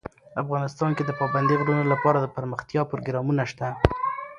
افغانستان کې د پابندي غرونو لپاره دپرمختیا پروګرامونه شته.